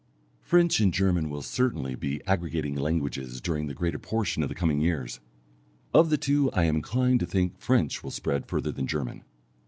French and German will certainly be aggregating languages during the greater portion of the coming years. Of the two I am inclined to think French will spread further than German.